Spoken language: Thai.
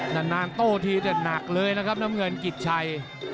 นานโต้ทีแต่หนักเลยนะครับน้ำเงินกิจชัย